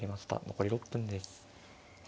残り６分です。